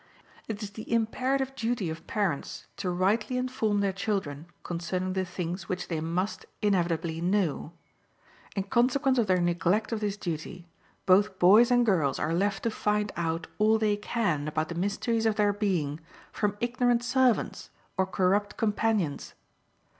It is the imperative duty of parents to rightly inform their children concerning the things which they must inevitably know. In consequence of their neglect of this duty, both boys and girls are left to find out all they can about the mysteries of their being from ignorant servants or corrupt companions.